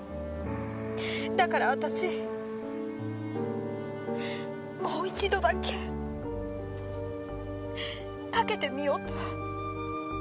だから私もう一度だけかけてみようと。